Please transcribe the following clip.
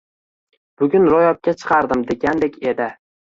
Bugun ro`yobga chiqardim degandek edi